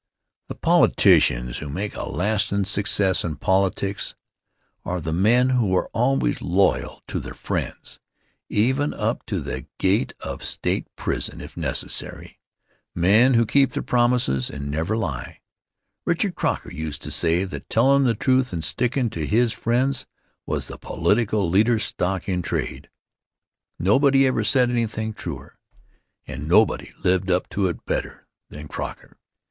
The politicians who make a lastin' success in politics are the men who are always loyal to their friends, even up to the gate of State prison, if necessary; men who keep their promises and never lie. Richard Croker used to say that tellin' the truth and stickin' to his friends was the political leader's stock in trade. Nobody ever said anything truer, and nobody lived up to it better than Croker.